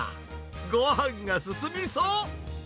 ごはんが進みそう。